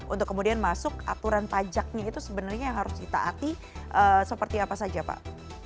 untuk kemudian masuk aturan pajaknya itu sebenarnya yang harus ditaati seperti apa saja pak